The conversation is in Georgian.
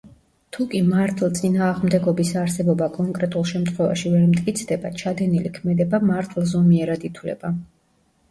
თუკი მართლწინააღმდეგობის არსებობა კონკრეტულ შემთხვევაში ვერ მტკიცდება, ჩადენილი ქმედება მართლზომიერად ითვლება.